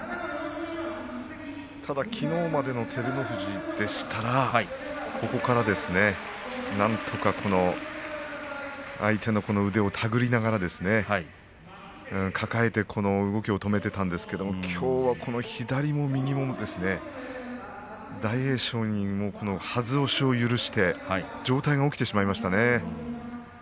ただきのうまでの照ノ富士でしたらここからなんとか相手の腕を手繰りながら抱えて動きを止めていたんですがきょうは左も右も大栄翔にはず押しを許して上体が起きてしまいました。